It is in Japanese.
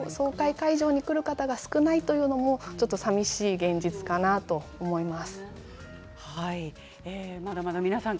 総会会場に来る方が少ないとさみしい現実かなと思います。